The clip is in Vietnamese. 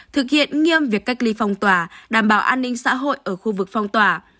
thực hiện nghiêm việc cách ly phong tỏa đảm bảo an ninh xã hội ở khu vực phong tỏa